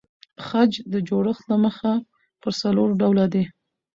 خج د جوړښت له مخه پر څلور ډوله دئ.